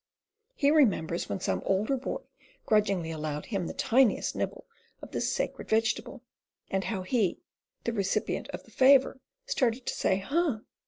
He remembers when some older boy grudgingly allowed him the tiniest nibble of this sacred vegetable, and how he, the recipient of the favor, started to say "Huh!